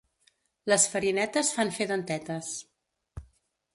Les farinetes fan fer dentetes.